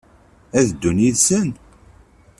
Ad d-ddun yid-sen?